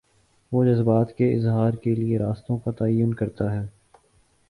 وہ جذبات کے اظہار کے لیے راستوں کا تعین کرتا ہے۔